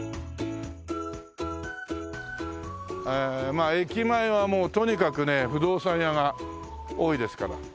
まあ駅前はもうとにかくね不動産屋が多いですから。